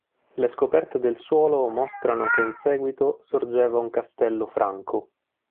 Le scoperte del suolo mostrano che in seguito sorgeva un castello franco.